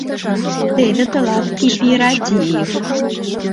— Теве тылат «кипиратив»!